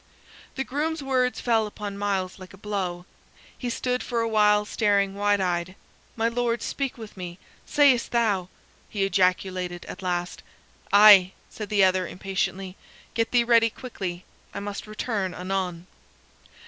The groom's words fell upon Myles like a blow. He stood for a while staring wide eyed. "My Lord speak with me, sayst thou!" he ejaculated at last. "Aye," said the other, impatiently; "get thee ready quickly. I must return anon."